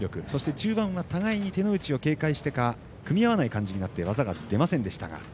中盤は互いに手の内を警戒してか組み合わない感じで技が出ませんでした。